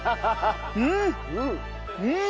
うんうん！